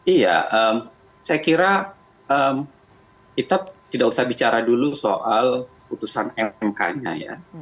iya saya kira kita tidak usah bicara dulu soal putusan mk nya ya